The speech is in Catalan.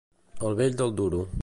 El vell del duro.